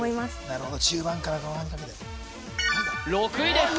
なるほど中盤から後半にかけて６位です